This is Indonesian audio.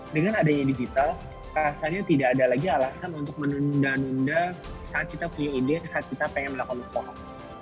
dengan adanya digital rasanya tidak ada lagi alasan untuk menunda nunda saat kita punya ide saat kita pengen melakukan usaha